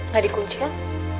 gak dikunci kan